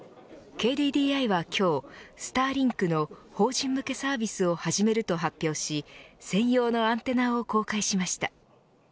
ＫＤＤＩは今日Ｓｔａｒｌｉｎｋの法人向けサービスを始めると発表し専用のアンテナを公開しました。